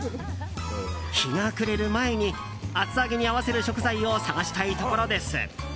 日が暮れる前に厚揚げに合わせる食材を探したいところです。